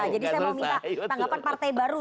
jadi saya mau minta tanggapan partai baru